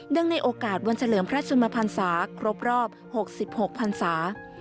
ในโอกาสวันเฉลิมพระชนมพันศาครบรอบ๖๖พันศา